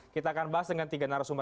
kita akan bahas dengan tiga narasumber